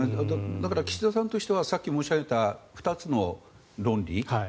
だから、岸田さんとしてはさっき申し上げた２つの論理。